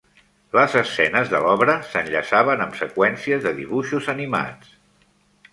Les escenes de l'obra s'enllaçaven amb seqüències de dibuixos animats.